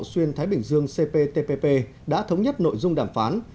xuyên thái bình dương cptpp đã thống nhất nội dung đàm phán